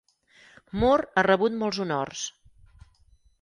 Moore ha rebut molts honors.